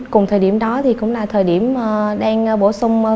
cùng thời điểm đó thì cũng là thời điểm đang bổ xuất ra soát